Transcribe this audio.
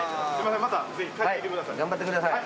頑張ってください。